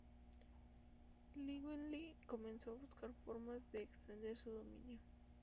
Llywelyn comenzó a buscar formas de extender su dominio.